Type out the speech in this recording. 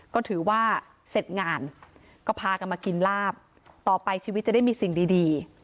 ก็ถือว่าเสร็จงานก็พากันมากินลาบต่อไปชีวิตจะได้มีสิ่งดี